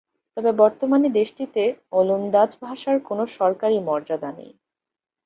তবে বর্তমানে দেশটিতে ওলন্দাজ ভাষার কোন সরকারি মর্যাদা নেই।